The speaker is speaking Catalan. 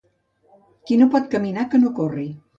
Qui no pot caminar, que no corri.